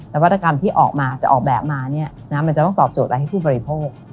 และวัตกรรมที่จะออกแบบมามันจะต้องตอบโจทย์อะไรให้ผู้บริโภค